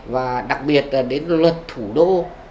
và đặc biệt là đến luật thủ đô hai nghìn một mươi ba